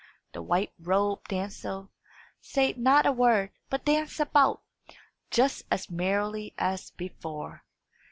The white robed damsel said not a word, but danced about, just as merrily as before.